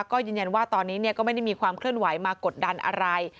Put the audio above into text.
ก็ยืนยันว่าตอนนี้ก็ไม่ได้มีความเคลื่อนไหวมากดดันอะไร